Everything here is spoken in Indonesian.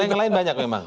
yang lain banyak memang